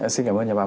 xin cảm ơn nhóm báo